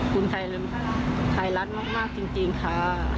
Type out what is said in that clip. คุณไทยรัฐมากจริงค่ะ